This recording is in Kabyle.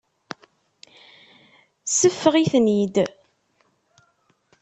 Seffeɣ-iten-id.